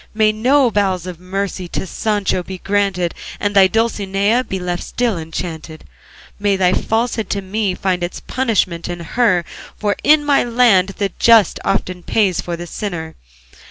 May no bowels of mercy To Sancho be granted, And thy Dulcinea Be left still enchanted, May thy falsehood to me Find its punishment in her, For in my land the just Often pays for the sinner.